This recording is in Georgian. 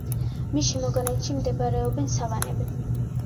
მის შემოგარენში მდებარეობენ სავანები.